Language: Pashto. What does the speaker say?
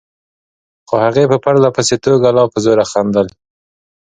خو هغې په پرله پسې توګه لا په زوره خندل.